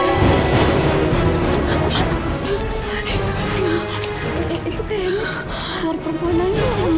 udah cepetan cepetan